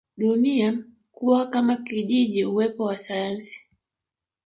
dunia kuwa kama kijiji uwepo wa sayansi